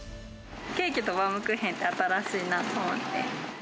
ケーキとバウムクーヘンって新しいなと思って。